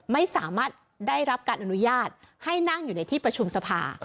ไม่สามารถได้รับการอนุญาตให้นั่งอยู่ในที่ประชุมสภา